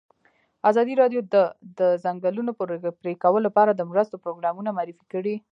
ازادي راډیو د د ځنګلونو پرېکول لپاره د مرستو پروګرامونه معرفي کړي.